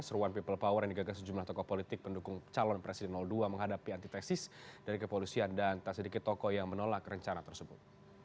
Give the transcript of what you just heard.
seruan people power yang digagas sejumlah tokoh politik pendukung calon presiden dua menghadapi antitesis dari kepolisian dan tak sedikit tokoh yang menolak rencana tersebut